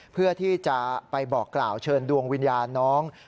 เพื่อที่จะไปบอกกล่าวเชิญดวงวิญญาณน้อง